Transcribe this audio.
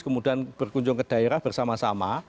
kemudian berkunjung ke daerah bersama sama